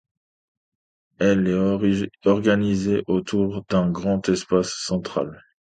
Elle est organisée autour d'un grand espace central.